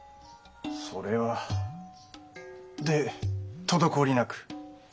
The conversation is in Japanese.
それは。で滞りなく？